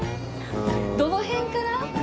どの辺から？